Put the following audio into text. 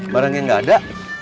barang yang ga ada